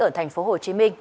ở thành phố hồ chí minh